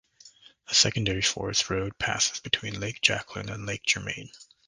A secondary forest road passes between Lake Jacqueline and Lake Germain.